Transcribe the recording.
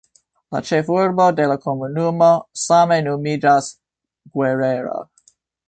La ĉefurbo de la komunumo same nomiĝas "Guerrero".